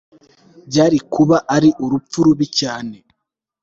byari kuba ari urupfu rubi cyane - goldie hawn